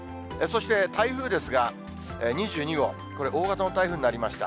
そして台風ですが、２２号、これ、大型の台風になりました。